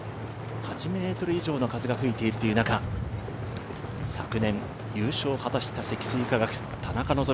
８ｍ以上の風が吹いているという中、昨年、優勝を果たした積水化学、田中希実